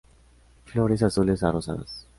Flores azules a rosadas.